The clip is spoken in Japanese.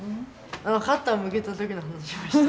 カッター向けた時の話もした。